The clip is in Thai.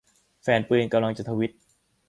แฟนปืนกำลังจะ ทวิต